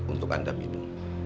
untuk anda minum